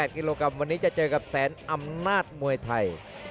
กิโลกรัมวันนี้จะเจอกับแสนอำนาจมวยไทย